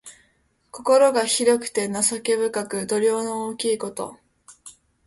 心が広くて情け深く、度量の大きいこと。